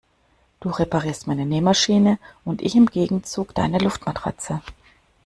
Du reparierst meine Nähmaschine und ich im Gegenzug deine Luftmatratze.